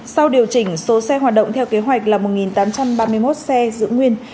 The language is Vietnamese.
sau điều chỉnh số xe hoạt động theo kế hoạch là một tám trăm ba mươi một xe giữ nguyên